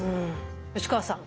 吉川さん